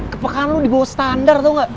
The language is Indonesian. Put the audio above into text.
kepekaan lo dibawah standar tau gak